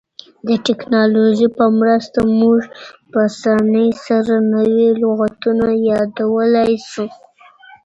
د ټکنالوژۍ په مرسته موږ په اسانۍ سره نوي لغتونه یادولای سو.